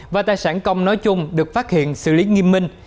và tài sản công nói chung được phát hiện xử lý nghiêm minh